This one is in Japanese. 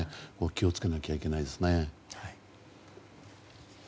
気をつけなきゃいけないですね。